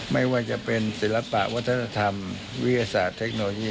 ไม่ว่าจะเป็นศิลปะวัฒนธรรมวิทยาศาสตร์เทคโนโลยี